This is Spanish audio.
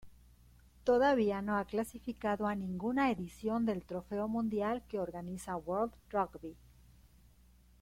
Todavía no ha clasificado a ninguna edición del Trofeo Mundial que organiza World Rugby.